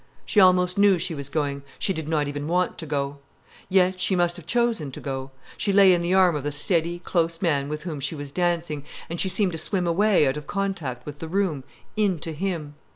She almost knew she was going, she did not even want to go. Yet she must have chosen to go. She lay in the arm of the steady, close man with whom she was dancing, and she seemed to swim away out of contact with the room, into him.